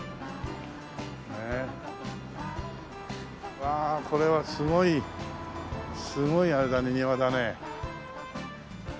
わあこれはすごいすごいあれだね庭だね。